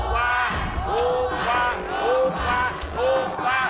ถูกกว่า